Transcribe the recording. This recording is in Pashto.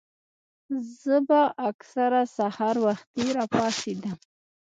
زۀ به اکثر سحر وختي راپاسېدم